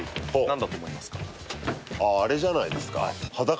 あれじゃないですか？